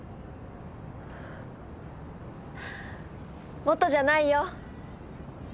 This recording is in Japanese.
元じゃないよ。